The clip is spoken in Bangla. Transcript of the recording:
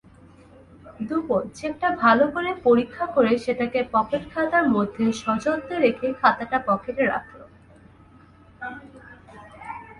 দুপোঁ চেকটা ভালো করে পরীক্ষা করে সেটাকে পকেটখাতার মধ্যে সযত্নে রেখে খাতাটা পকেটে রাখল।